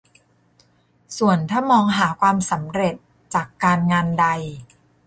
ส่วนถ้ามองหาความสำเร็จจากการงานใด